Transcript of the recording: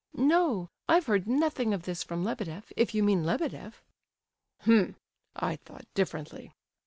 "No, I've heard nothing of this from Lebedeff, if you mean Lebedeff." "H'm; I thought differently.